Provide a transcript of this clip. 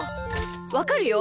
わかるよ。